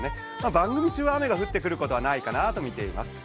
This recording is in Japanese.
番組中雨が降ってくることはないかなと見ています。